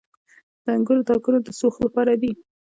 د انګورو تاکونه د سوخت لپاره دي.